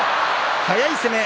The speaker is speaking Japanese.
速い攻め。